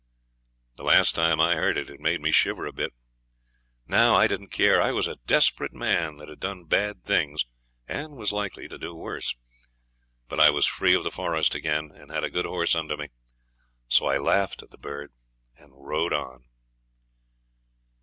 The last time I heard it, it made me shiver a bit. Now I didn't care. I was a desperate man that had done bad things, and was likely to do worse. But I was free of the forest again, and had a good horse under me; so I laughed at the bird and rode on.